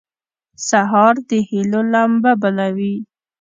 سهار د هيلو لمبه بلوي.